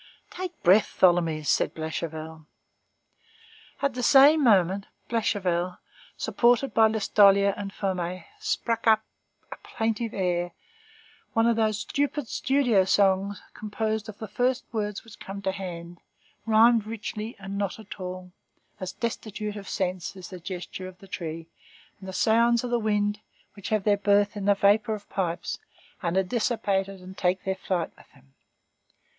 "Take breath, Tholomyès," said Blachevelle. At the same moment Blachevelle, supported by Listolier and Fameuil, struck up to a plaintive air, one of those studio songs composed of the first words which come to hand, rhymed richly and not at all, as destitute of sense as the gesture of the tree and the sound of the wind, which have their birth in the vapor of pipes, and are dissipated and take their flight with them.